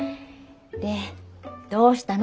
でどうしたの？